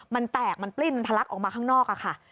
มันแตกมันปลิ้นมันทะลักออกมาข้างนอกค่ะ